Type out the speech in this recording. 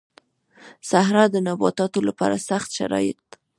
صحرا د نباتاتو لپاره سخت شرايط